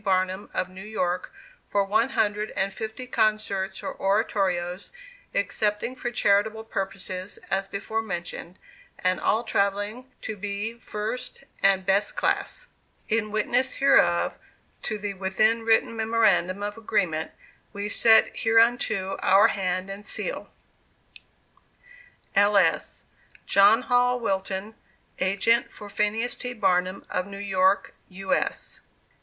Barnum, of New York, for one hundred and fifty concerts or oratorios, excepting for charitable purposes as before mentioned; and all travelling to be first and best class. In witness hereof to the within written memorandum of agreement we set hereunto our hand and seal. [L. S.] JOHN HALL WILTON, Agent for PHINEAS T. BARNUM, of New York, U. S.